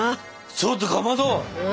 ちょっとかまど！